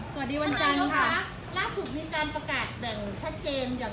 แสดงนี้สำหรับจำเป็นกษัตริย์ผม